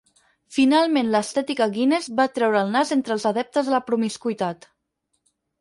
Finalment l'estètica Guinness va treure el nas entre els adeptes a la promiscuïtat.